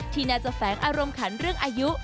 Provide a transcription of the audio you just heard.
ที่น่าจะแฝงอารมณ์ขันเรื่องอายุ